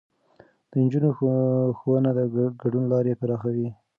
د نجونو ښوونه د ګډون لارې پراخوي.